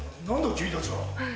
君たちは。